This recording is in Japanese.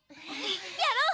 やろう！